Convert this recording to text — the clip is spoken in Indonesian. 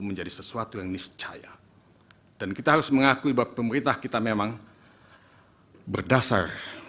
menjadi sesuatu yang niscaya dan kita harus mengakui bahwa pemerintah kita memang berdasar